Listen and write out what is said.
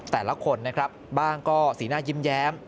แต่ละคนบ้างก็สีหน้ายิ้มแย้ม